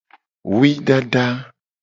Wui dada.